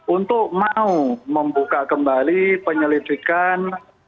untuk mau membuka kembali penyelidikan